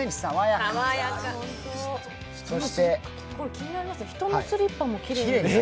気になりますね、人のスリッパもきれいに直してる。